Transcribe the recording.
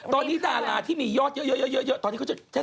ตอนนี้ดาราที่มียอดเยอะตอนนี้เขาจะแท็กสการแฮกไอจี